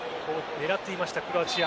狙っていました、クロアチア。